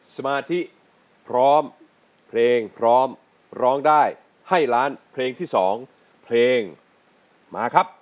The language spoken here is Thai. สมาธิพร้อมเพลงพร้อมร้องได้ให้ล้านเพลงที่๒เพลงมาครับ